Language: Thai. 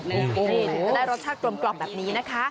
จะได้รสชาติกลมกรอบแบบนี้นะคะ